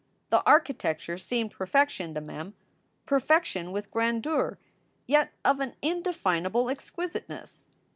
The architecture seemed perfection to Mem perfection with grandeur, yet of an indefinable exquisiteness.